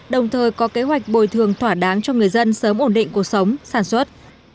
đồng thời có kế hoạch bồi thường thỏa đáng cho người dân sớm ổn định cuộc sống sản xuất